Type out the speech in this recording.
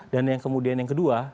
dan yang kemudian yang kedua